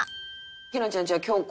陽菜ちゃんじゃあ京子